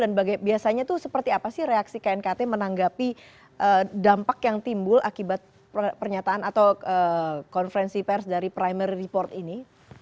dan biasanya itu seperti apa sih reaksi knkt menanggapi dampak yang timbul akibat pernyataan atau konferensi pers dari primary report ini